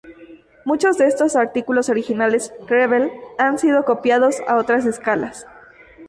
Muchos de estos artículos originales Revell han sido copiados a otras escalas.